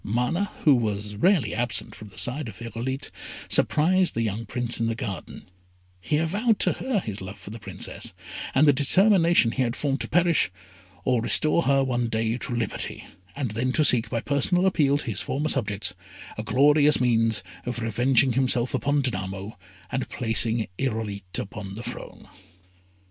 Mana, who was rarely absent from the side of Irolite, surprised the young Prince in the garden; he avowed to her his love for the Princess, and the determination he had formed to perish, or to restore her one day to liberty, and then to seek, by a personal appeal to his former subjects, a glorious means of revenging himself on Danamo, and of placing Irolite upon the throne.